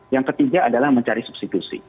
yang ketiga adalah mencari substitusi